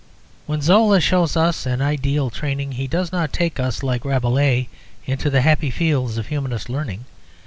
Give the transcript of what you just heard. When Zola shows us an ideal training he does not take us, like Rabelais, into the happy fields of humanist learning.